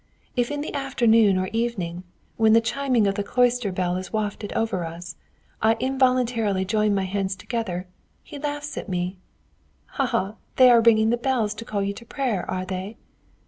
If in the afternoon or evening, when the chiming of the cloister bell is wafted over to us, I involuntarily join my hands together, he laughs at me: 'Ha! ha! ha! they are ringing the bells to call you to prayer, are they?'